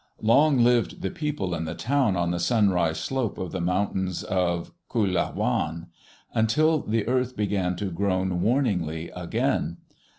Long lived the people in the town on the sunrise slope of the mountains of Kahluelawan, until the earth began to groan warningly again.